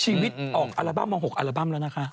ชีวิตออกอัลบั้มมา๖อัลบั้มแล้วนะคะ